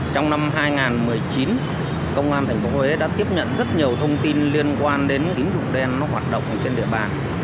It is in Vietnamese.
công an thành phố huế đã tiếp nhận rất nhiều thông tin liên quan đến tín dụng đen hoạt động trên địa bàn